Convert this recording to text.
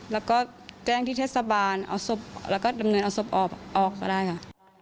แล้วก็แจ้งที่เทศบาลเอาศพแล้วก็ดำเนินเอาศพออกก็ได้ค่ะ